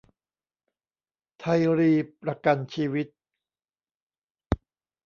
ไทยรีประกันชีวิต